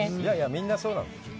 みんな、そうだよ。